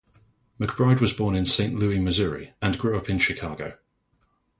McBride was born in Saint Louis, Missouri and grew up in Chicago.